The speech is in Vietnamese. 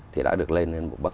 thì đã được lên lên một bước